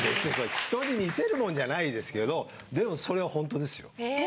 人に見せるもんじゃないですけどでもそれはほんとですよ。